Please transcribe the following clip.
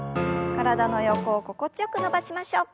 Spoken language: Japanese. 体の横を心地よく伸ばしましょう。